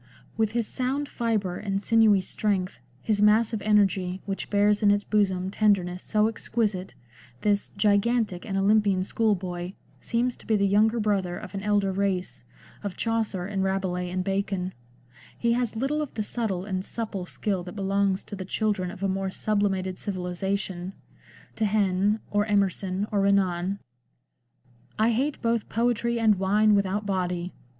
With his sound fibre and sinewy strength, his massive energy, which bears in its bosom tenderness so exquisite, this "gigantic and Olympian schoolboy " seems to be the yx)unger brother of an elder race, of Chaucer and Rabelais and Bacon ; he has little of the subtle and supple skill that belongs to the children of a more sublimated civilisation, to Heine, or Emerson, or Renan. " I hate both poetry and wine without body.